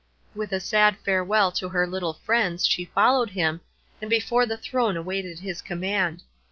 With a sad farewell to her little friends she followed him, and before the throne awaited his command.